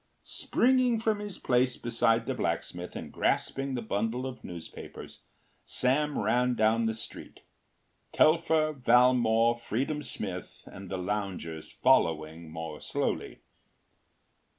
” Springing from his place beside the blacksmith and grasping the bundle of newspapers, Sam ran down the street, Telfer, Valmore, Freedom Smith and the loungers following more slowly.